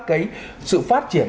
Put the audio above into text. cái sự phát triển